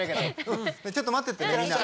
ちょっと待っててねみんな。